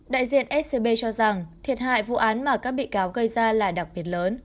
đại diện scb cho rằng thiệt hại vụ án mà các bị cáo gây ra là đặc biệt lớn